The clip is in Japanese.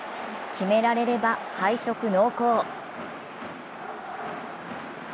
決められれば敗色濃厚。